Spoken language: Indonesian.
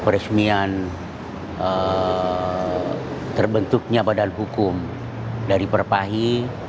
peresmian terbentuknya badan hukum dari perpahi